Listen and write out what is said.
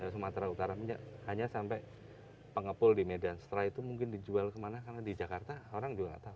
sumatera utara hanya sampai pengepul di medan setelah itu mungkin dijual kemana karena di jakarta orang juga nggak tahu